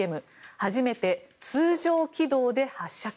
初めて通常軌道で発射か。